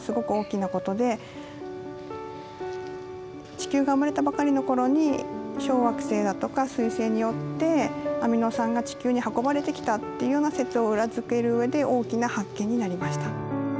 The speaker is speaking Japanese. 地球が生まれたばかりの頃に小惑星だとか彗星によってアミノ酸が地球に運ばれてきたというような説を裏付ける上で大きな発見になりました。